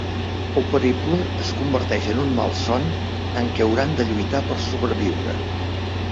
El periple es converteix en un malson en què hauran de lluitar per sobreviure.